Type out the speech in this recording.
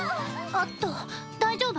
あっと大丈夫？